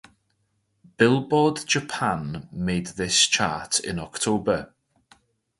Billboard Japan made this chart in October.